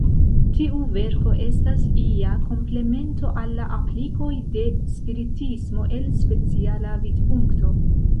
Tiu verko estas ia komplemento al la aplikoj de Spiritismo el speciala vidpunkto.